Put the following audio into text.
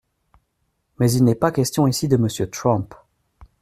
Mais il n’est pas question ici de Monsieur Trump.